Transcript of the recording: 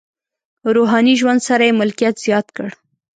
روحاني ژوند سره یې ملکیت زیات کړ.